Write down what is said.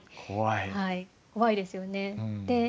はい怖いですよね。